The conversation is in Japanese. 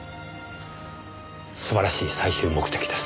素晴らしい最終目的です。